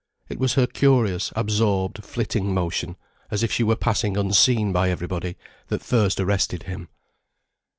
It was her curious, absorbed, flitting motion, as if she were passing unseen by everybody, that first arrested him.